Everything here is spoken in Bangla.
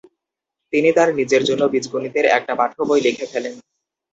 তিনি তার নিজের জন্য বীজগণিতের একটা পাঠ্যবই লিখে ফেলেন।